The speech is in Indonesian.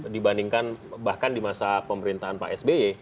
dibandingkan bahkan di masa pemerintahan pak sby